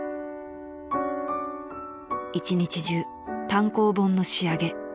［「一日中単行本の仕上げ」］